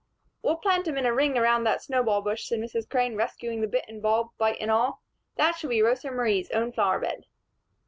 "We'll plant 'em in a ring around that snowball bush," said Mrs. Crane, rescuing the bitten bulb, bite and all. "That shall be Rosa Marie's own flower bed."